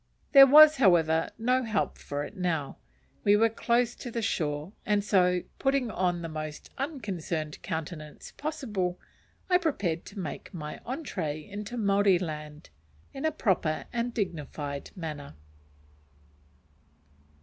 There was, however, no help for it now; we were close to the shore, and so, putting on the most unconcerned countenance possible, I prepared to make my entrée into Maori land in a proper and dignified manner.